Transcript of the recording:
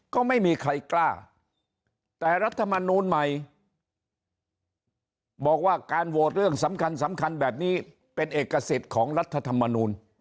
ก็ไม่มีใครกล้าแต่รัฐมนูลใหม่บอกว่าการโหวตเรื่องสำคัญสำคัญแบบนี้เป็นเอกสิทธิ์ของรัฐธรรมนูล